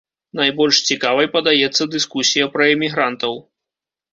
Найбольш цікавай падаецца дыскусія пра эмігрантаў.